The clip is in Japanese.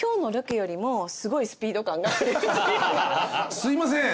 すいません！